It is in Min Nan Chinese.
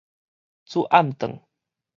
煮暗頓